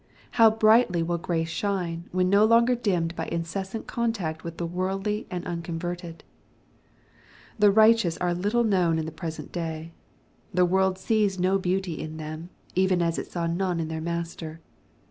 How brightly will grace shine, when no longer dimmed by incessant contact with the worldly and unconverted I The righteous are little known in the present day. The world sees no beauty in them, even as it saw none in their Master.